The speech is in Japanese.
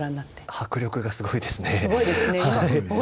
迫力がすごいですね。